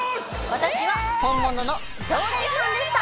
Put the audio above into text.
私は本物の常連さんでした！